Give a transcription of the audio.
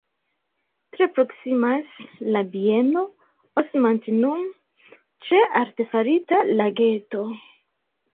Tre proksimas la bieno "Osmantinum" ĉe artefarita lageto.